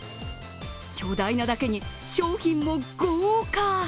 巨大なだけに商品も豪華。